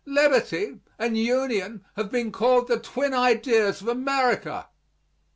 Liberty and union have been called the twin ideas of America.